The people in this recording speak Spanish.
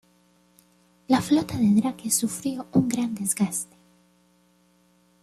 La flota de Drake sufrió un gran desgaste.